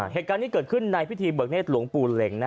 เหตุการณ์นี้เกิดขึ้นในพิธีเบิกเนธหลวงปู่เหล็ง